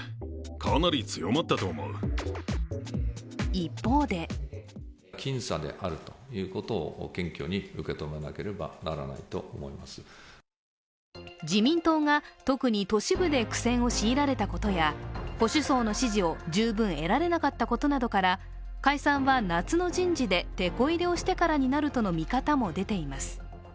一方で自民党が特に都市部で苦戦を強いられたことや保守層の支持を十分得られなかったことなどから解散は夏の人事でてこ入れをしてからになるとの見方も出ています。